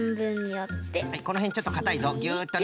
このへんちょっとかたいぞギュッとね。